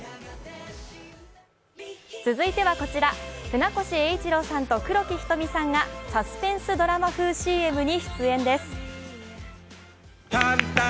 続いてはこちら、船越英一郎さんと黒木瞳さんがサスペンスドラマ風ＣＭに出演です。